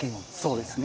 そうですね。